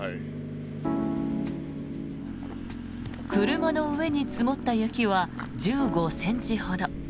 車の上に積もった雪は１５ｃｍほど。